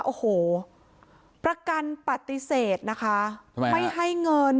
โอ้โหประกันปฏิเสธนะคะไม่ให้เงิน